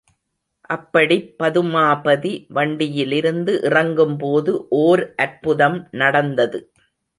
அப்படிப் பதுமாபதி வண்டியிலிருந்து இறங்கும்போது ஓர் அற்புதம் நடந்தது.